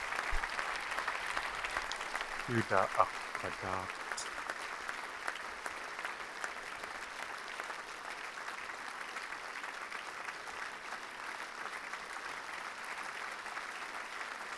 Du daa akg̲wadáak̲.